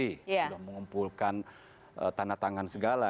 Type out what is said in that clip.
sudah mengumpulkan tanda tangan segala